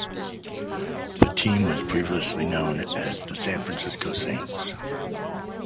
The team was previously known as the San Francisco Saints.